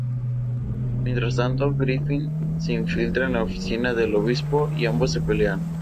Mientras tanto, Griffin se infiltra en la oficina del obispo y ambos se pelean.